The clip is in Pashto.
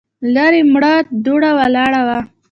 ليرې مړه دوړه ولاړه وه.